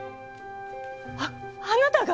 ああなたが！？